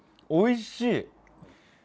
おいしい！